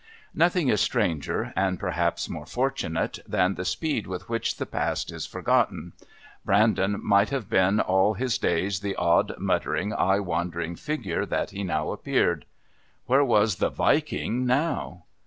Nothing is stranger (and perhaps more fortunate) than the speed with which the past is forgotten. Brandon might have been all his days the odd, muttering, eye wandering figure that he now appeared. Where was the Viking now?